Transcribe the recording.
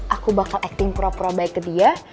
aku bakal acting pura pura baik ke dia